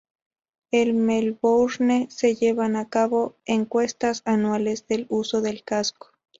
En Melbourne se llevan a cabo encuestas anuales del uso del casco.